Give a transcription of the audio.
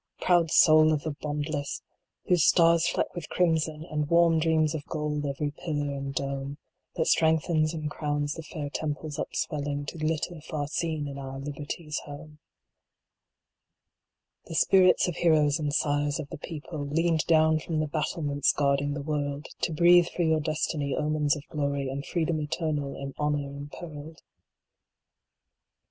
Proud soul of the Bondless ! whose stars fleck with crim son, And warm dreams of gold ev ry pillar and dome, That strengthens and crowns the fair temples upswelling To glitter, far seen, in our Liberty s home The spirits of Heroes and Sires of the People, Leaned down from the battlements guarding the world ; To breathe for your Destiny omens of glory And freedom eternal, in Honor impearled.